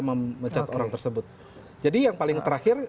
memecat orang tersebut jadi yang paling terakhir